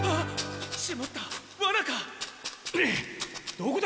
どこだ！？